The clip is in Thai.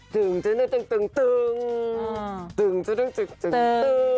ตึงตึงตึงตึงตึงตึงตึงตึงตึงตึงตึง